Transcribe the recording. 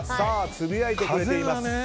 つぶやいてくれています。